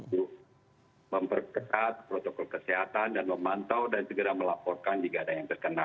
untuk memperketat protokol kesehatan dan memantau dan segera melaporkan jika ada yang terkena